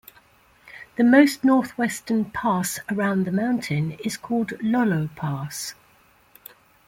The most northwestern pass around the mountain is called Lolo Pass.